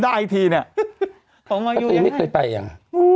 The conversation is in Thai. แต่พี่สนไม่เคยไปยัง